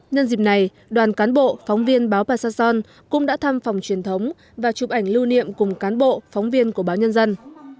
nhân dịp này đoàn cán bộ phóng viên báo basason cũng đã thăm phòng truyền thống và chụp ảnh lưu niệm cùng cán bộ phóng viên của báo nhân dân